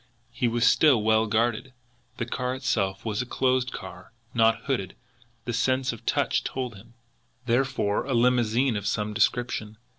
He was still well guarded! The car itself was a closed car not hooded, the sense of touch told him therefore a limousine of some description.